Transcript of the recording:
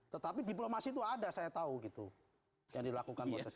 tetapi diplomasi itu ada saya tahu gitu yang dilakukan proses